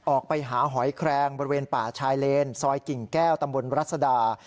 ออกไปหาหอยแครงบริเวณป่าชายเลนซอยกิ่งแก้วตำบลรัศดา